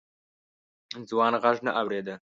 ځوان غږ نه اورېده.